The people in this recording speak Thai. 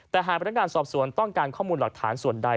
แต่หากพนักงานสอบสวนต้องการข้อมูลหลักฐานส่วนใด